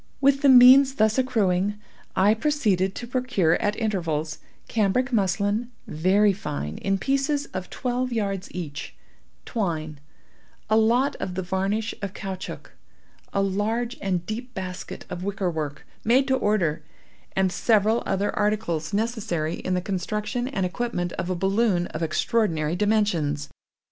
With the means thus accruing I proceeded to procure at intervals, cambric muslin, very fine, in pieces of twelve yards each; twine; a lot of the varnish of caoutchouc; a large and deep basket of wicker work, made to order; and several other articles necessary in the construction and equipment of a balloon of extraordinary dimensions.